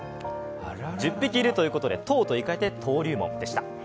１０匹いるということで、とおと言い換えて登竜門でした。